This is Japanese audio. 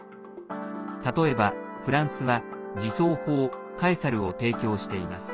例えば、フランスは自走砲「カエサル」を提供しています。